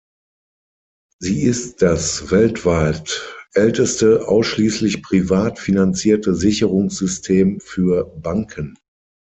Sie ist das weltweit älteste ausschließlich privat finanzierte Sicherungssystem für Banken.